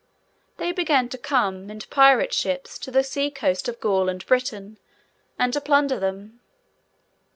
They began to come, in pirate ships, to the sea coast of Gaul and Britain, and to plunder them.